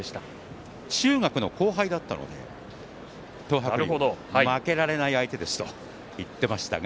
中学の後輩だったので東白龍負けられない相手ですと言っていましたか。